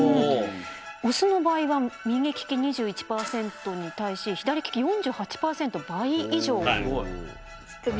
オスの場合は右利き２１％に対し左利き４８％倍以上。